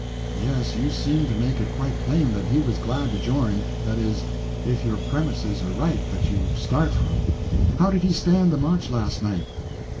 "Yes, you seem to make it quite plain that he was glad to join—that is, if your premises are right that you start from. How did he stand the march last night?"